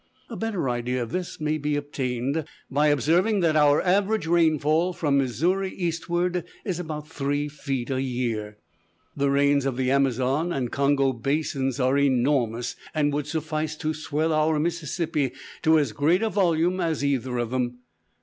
A better idea of this may be obtained by observing that our average rainfall, from Missouri eastward, is about three feet a year. The rains of the Amazon and Congo basins are enormous, and would suffice to swell our Mississippi to as great volume as either of them.